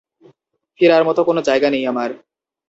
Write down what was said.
ফেরার মতো কোনো জায়গা নেই আমার।